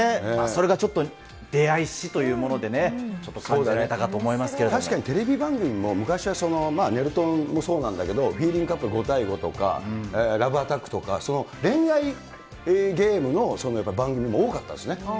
それがちょっと出会い史というものでね、ちょっと感じられたかと確かにテレビ番組も、昔はねるとんもそうなんだけど、フィーリングカップル５対５とか、ラブアタックとか、恋愛ゲームの番組も多かったですね。